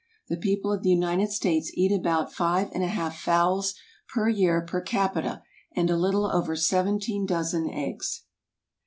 The people of the United States eat about 5 1/2 fowls per year per capita, and a little over 17 dozen eggs.